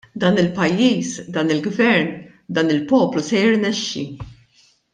Dan il-pajjiż, dan il-Gvern, dan il-poplu se jirnexxi!